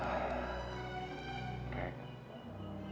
aku jatuh cinta semua kamu explain